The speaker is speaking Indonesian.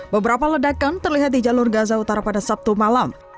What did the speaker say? beberapa ledakan terlihat di jalur gaza utara pada sabtu malam